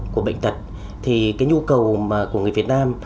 của bệnh tật thì cái nhu cầu của người việt nam